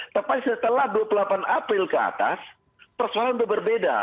tapi setelah dua puluh delapan april ke atas persoalan itu berbeda